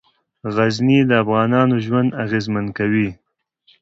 غزني د افغانانو ژوند اغېزمن کوي.